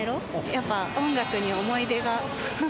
やっぱ音楽に思い出が。